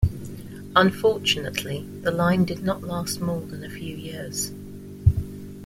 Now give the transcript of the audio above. Unfortunately, the line did not last more than a few years.